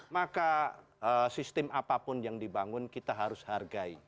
maka sistem apapun yang dibangun kita harus hargai